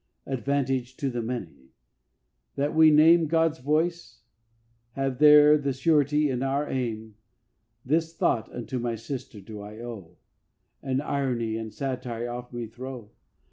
Advantage to the Many: that we name God's voice; have there the surety in our aim. This thought unto my sister do I owe, And irony and satire off me throw.